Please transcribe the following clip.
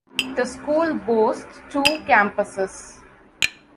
The school boasts two campuses.